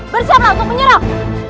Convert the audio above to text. bersiaplah untuk menyerang